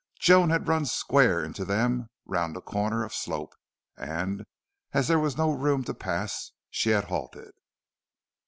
Joan had run square into them round a corner of slope and, as there was no room to pass, she had halted.